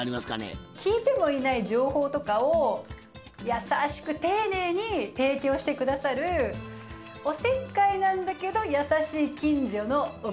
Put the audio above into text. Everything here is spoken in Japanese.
聞いてもいない情報とかを優しく丁寧に提供して下さるおせっかいなんだけど優しい近所のおばちゃん。